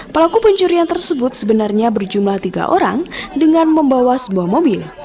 pelaku pencurian tersebut sebenarnya berjumlah tiga orang dengan membawa sebuah mobil